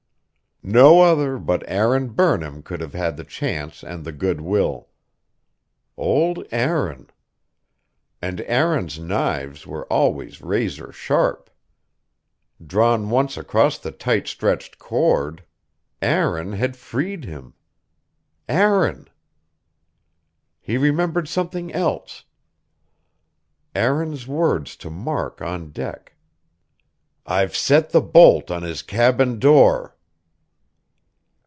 No other but Aaron Burnham could have had the chance and the good will. Old Aaron.... And Aaron's knives were always razor sharp. Drawn once across the tight stretched cord.... Aaron had freed him. Aaron.... He remembered something else. Aaron's words to Mark on deck. "I've set the bolt on his cabin door...."